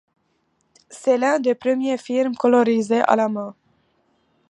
C'est l'un des premiers films colorisés à la main.